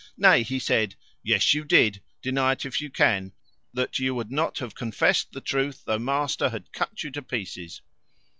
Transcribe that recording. Nay, he said yes you did deny it if you can, that you would not have confest the truth, though master had cut you to pieces."